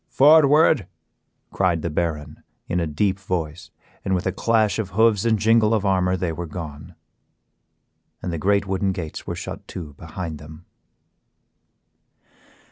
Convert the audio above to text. "Forward," cried the Baron, in a deep voice, and with a clash of hoofs and jingle of armor they were gone, and the great wooden gates were shut to behind them.